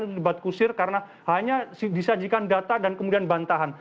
terlibat kusir karena hanya disajikan data dan kemudian bantahan